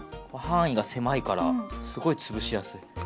範囲が狭いからすごい潰しやすい。